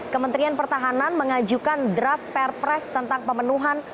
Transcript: kementerian pertahanan mengajukan draft perpres tentang pemenuhan